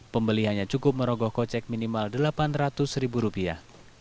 pembeliannya cukup merogoh kocek minimal delapan ratus ribu rupiah